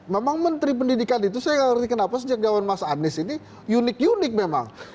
memang menteri pendidikan itu saya nggak ngerti kenapa sejak zaman mas anies ini unik unik memang